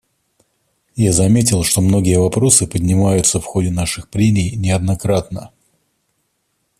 Я заметил, что многие вопросы поднимаются в ходе наших прений неоднократно.